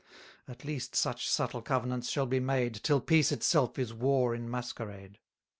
At least such subtle covenants shall be made, Till peace itself is war in masquerade.